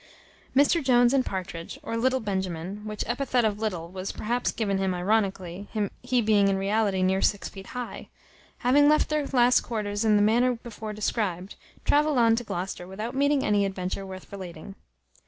Mr Jones and Partridge, or Little Benjamin (which epithet of Little was perhaps given him ironically, he being in reality near six feet high), having left their last quarters in the manner before described, travelled on to Gloucester without meeting any adventure worth relating.